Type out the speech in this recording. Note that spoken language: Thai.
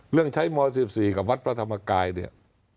ใช้ม๑๔กับวัดพระธรรมกายเนี่ย